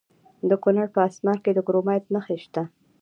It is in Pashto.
د کونړ په اسمار کې د کرومایټ نښې شته.